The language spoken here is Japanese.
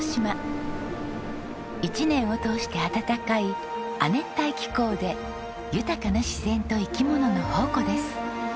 一年を通して暖かい亜熱帯気候で豊かな自然と生き物の宝庫です。